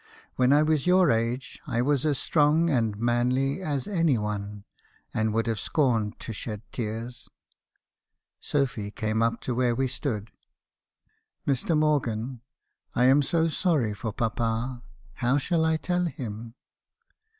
When I was your age I was as strong and manly as any one , and would have scorned to shed tears.' " Sophy came up to where we stood. "Mr. Morgan! I am so sorry for papa. How shall I tell him?